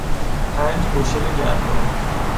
پنج بوشل گندم